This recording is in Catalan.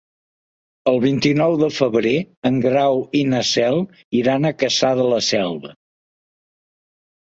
El vint-i-nou de febrer en Grau i na Cel iran a Cassà de la Selva.